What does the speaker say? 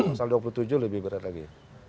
pasal dua puluh tujuh lebih berat lagi